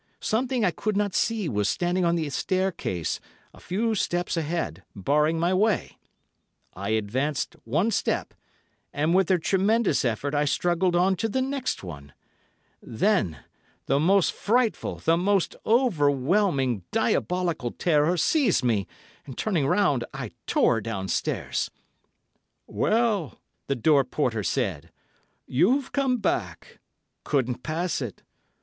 Something I could not see was standing on the staircase, a few steps ahead, barring my way. I advanced one step, and with a tremendous effort I struggled on to the next one. Then the most frightful, the most overwhelming, diabolical terror seized me, and turning round, I tore downstairs. "Well," the door porter said, "you've come back. Couldn't pass it.